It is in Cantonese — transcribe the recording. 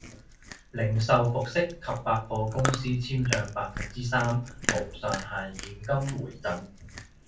零售服飾及百貨公司簽賬百分之三無上限現金回贈